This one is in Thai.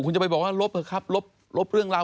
คุณจะไปบอกว่าลบเถอะครับลบเรื่องราว